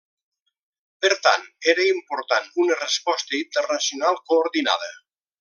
Per tant, era important una resposta internacional coordinada.